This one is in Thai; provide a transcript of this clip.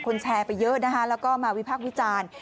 แชร์ไปเยอะนะคะแล้วก็มาวิพักษ์วิจารณ์